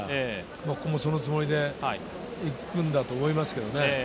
ここもそのつもりで行くんだと思います。